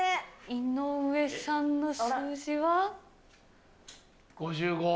井上さんの数字は？